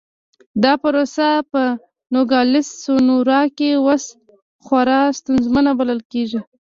دا پروسه په نوګالس سونورا کې اوس خورا ستونزمنه بلل کېږي.